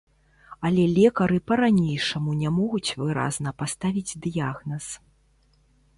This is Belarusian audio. Але лекары па-ранейшаму не могуць выразна паставіць дыягназ.